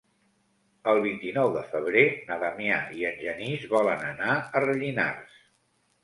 El vint-i-nou de febrer na Damià i en Genís volen anar a Rellinars.